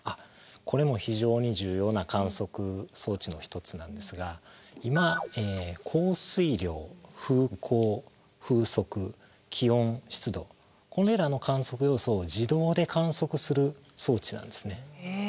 これも非常に重要な観測装置の一つなんですが今降水量風向風速気温湿度これらの観測要素を自動で観測する装置なんですね。